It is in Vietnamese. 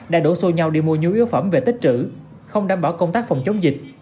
đã đổ xô nhau đi mua nhu yếu phẩm về tích trữ không đảm bảo công tác phòng chống dịch